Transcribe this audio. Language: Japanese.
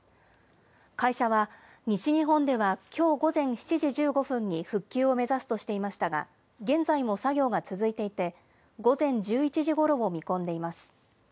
会社は、西日本ではきょう午前７時１５分に復旧を目指すとしていましたが、現在も作業が続いていて、午前１１時ごろを見込んでいます。